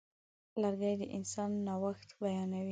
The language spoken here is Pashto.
لرګی د انسان نوښت بیانوي.